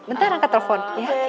bentar aku nge telepon